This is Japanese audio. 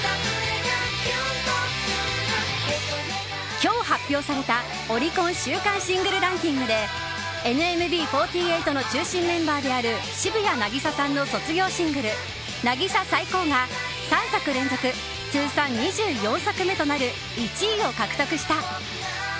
今日発表された、オリコン週間シングルランキングでＮＭＢ４８の中心メンバーである渋谷凪咲さんの卒業シングル「渚サイコー！」が３作連続、通算２４作目となる１位を獲得した。